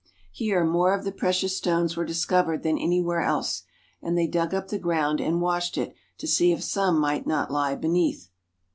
Here more of the precious stones were discovered than anywhere else, and they dug up the ground and washed it to see if some might not lie beneath.